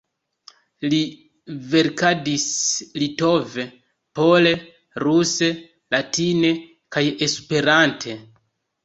Li verkadis litove, pole, ruse, latine kaj Esperante.